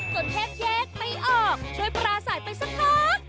จนให้แยกปีออกช่วยปราไสไปสักพัก